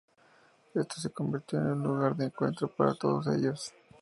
Esto se convirtió en un lugar de encuentro para todos ellos.